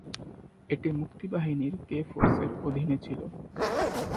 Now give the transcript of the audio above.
এটি মুক্তিবাহিনীর কে ফোর্সের অধীনে ছিল।